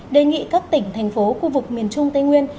đề nghị các tỉnh thành phố khu vực miền trung tây nguyên